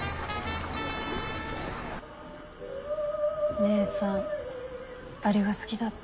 姉さんあれが好きだった。